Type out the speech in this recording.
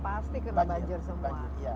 pasti kena banjir semua